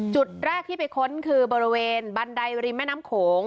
จุดแรกที่ไปค้นคือบริเวณบันไดริมแม่น้ำโขง